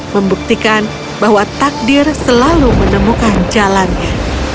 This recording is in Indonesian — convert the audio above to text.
membuktikan bahwa takdir selalu menemukan jalannya